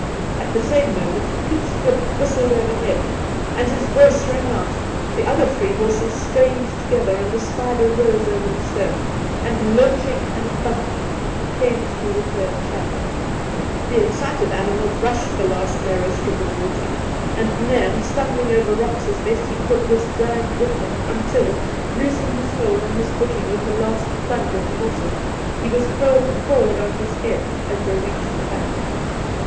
At the same moment Piet's whip whistled overhead, and his voice rang out ; the other three horses strained together, and the spider rose over the stone, and, lurching and bumping, came through the third channel. The excited animals rushed the last narrow strip of water, and Nairn, stumbling over rocks as best he could, was dragged with them, until, losing his hold and his footing with the last plunge of the horses, he was hurled forward on his head as they reached the bank.